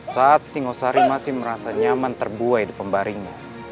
saat singosari masih merasa nyaman terbuai di pembaringnya